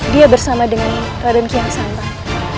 dia bersama dengan raden kiyang santang